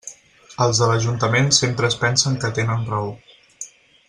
Els de l'ajuntament sempre es pensen que tenen raó.